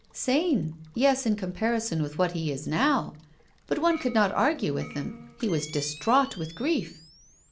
" Sane ? Yes, in comparison with what he is now. But one could not argue with him. He was distraught with grief."